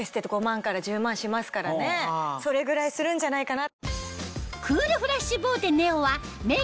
しますからそれぐらいするんじゃないかな？